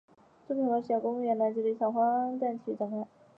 作品围绕小公务员贝兰吉的一场荒诞奇遇展开。